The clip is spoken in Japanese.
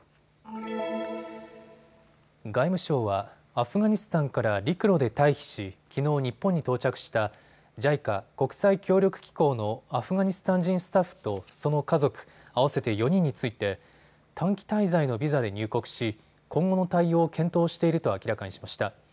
外務省はアフガニスタンから陸路で退避し、きのう日本に到着したＪＩＣＡ・国際協力機構のアフガニスタン人スタッフとその家族、合わせて４人について短期滞在のビザ入国し今後の対応を検討していると明らかにしました。